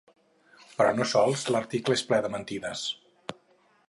Però no sols l’article és ple de mentides.